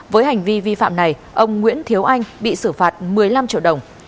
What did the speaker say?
với hành vi vi phạm này ông nguyễn thiếu anh bị xử phạt một mươi năm triệu đồng